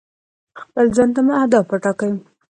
خپل ځان ته مو اهداف ټاکئ.